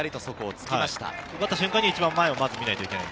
奪った瞬間に一番前を見なくてはいけない。